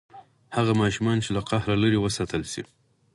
هغه ماشومان چې له قهر لرې وساتل شي.